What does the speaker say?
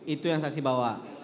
itu yang saksi bawa